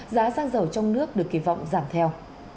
giá xăng dầu trong nước được kỳ vọng giảm theo